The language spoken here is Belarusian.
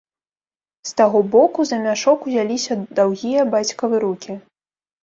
З таго боку за мяшок узяліся даўгія бацькавы рукі.